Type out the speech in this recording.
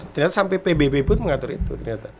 ternyata sampai pbb pun mengatur itu ternyata